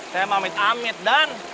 teh mami amit dan